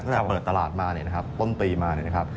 เมื่อเราเปิดตลาดมาต้นปีมานะครับ